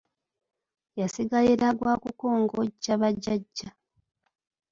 Yasigalira gw’akukongojja bajjaja.